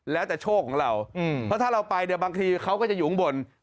แล้วแต่โชคของเราเพราะถ้าเราไปเนี่ยบางทีเขาก็จะอยู่ข้างบน